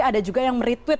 ada juga yang meretweet